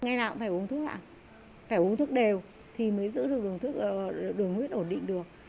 ngày nào cũng phải uống thuốc ạ phải uống thuốc đều thì mới giữ được đường huyết ổn định được